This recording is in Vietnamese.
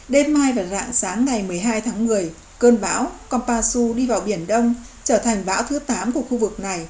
đêm mai và rạng sáng ngày một mươi hai tháng một mươi cơn bão kompasu đi vào biển đông trở thành bão thứ tám của khu vực này